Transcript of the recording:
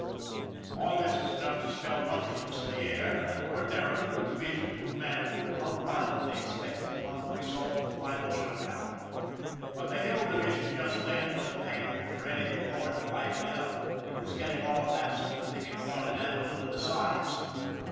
All this was enough to spell ructions in the air, and, ordinarily, the division to a man would have hung mildly expectant on the result of the final showdown. But the Hill Division just then wasn't hankering for anything more to liven it up it was getting all of that sort of thing it wanted and a little besides.